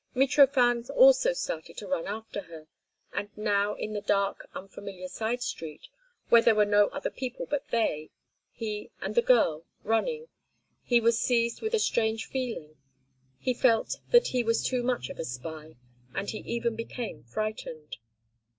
Mitrofan also started to run after her, and now in the dark, unfamiliar, side street, where there were no other people but they, he and the girl, running, he was seized with a strange feeling; he felt that he was too much of a spy, and he even became frightened.